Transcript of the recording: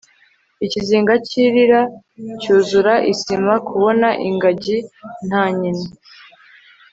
ikizinga cy'irira cyuzura isima, kubona ingajyi ntanyinya